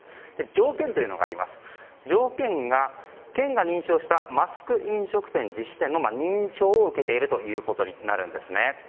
条件が県が認証したマスク飲食店実施店の認証を受けているということになるんですね。